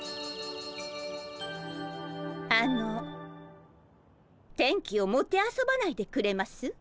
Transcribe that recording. あの天気をもてあそばないでくれます？